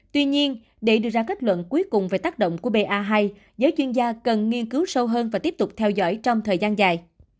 tuy nhiên để đưa ra kết luận cuối cùng về tác động của ba giới chuyên gia cần nghiên cứu sâu hơn và tiếp tục theo dõi trong thời gian dài